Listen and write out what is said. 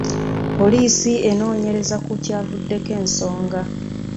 Poliisi enoonyereza ku kyavuddeko ensonga.